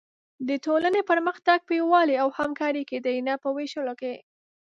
د ټولنې پرمختګ په یووالي او همکارۍ کې دی، نه په وېشلو کې.